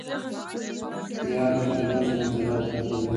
یا د ټولنیز منزلت له پلوه وي.